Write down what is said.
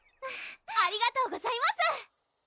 ありがとうございます！